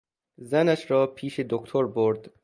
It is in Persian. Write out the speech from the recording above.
زنش را پیش دکتر برد.